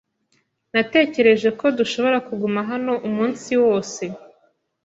Natekereje ko dushobora kuguma hano umunsi wose.